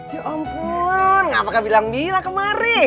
ya ampun ngapain bilang mila kemari